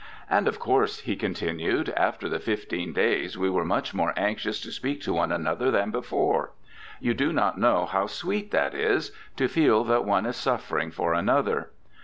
'And, of course,' he continued, 'after the fifteen days we were much more anxious to speak to one another than before. You do not know how sweet that is, to feel that one is suffering for another.